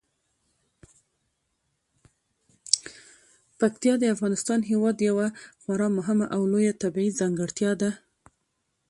پکتیکا د افغانستان هیواد یوه خورا مهمه او لویه طبیعي ځانګړتیا ده.